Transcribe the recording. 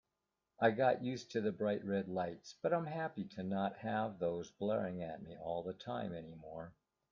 I got used to the bright red lights, but I'm happy to not have those blaring at me all the time anymore.